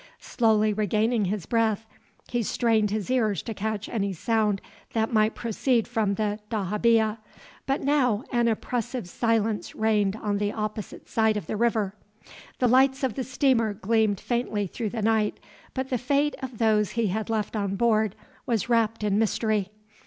Slowly regaining his breath, he strained his ears to catch any sound that might proceed from the dahabeah; but now an oppressive silence reigned on the opposite side of the river. The lights of the steamer gleamed faintly through the night, but the fate of those he had left on board was wrapped in mystery.